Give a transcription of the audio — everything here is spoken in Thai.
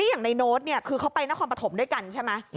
อย่างในโน้ตเนี่ยคือเขาไปนครปฐมด้วยกันใช่ไหม